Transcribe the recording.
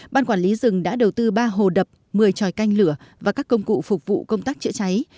ban quản lý rừng đã đầu tư ba hồ đập một mươi tròi canh lửa và các công cụ phục vụ công tác chữa cháy